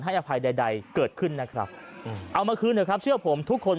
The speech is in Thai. อภัยใดใดเกิดขึ้นนะครับเอามาคืนเถอะครับเชื่อผมทุกคน